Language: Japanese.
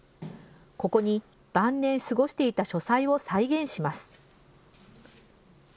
ここに、晩年過ごしていた書斎を再現します。